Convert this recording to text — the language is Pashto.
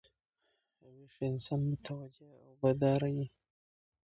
ویښ انسان متوجه او بیداره يي.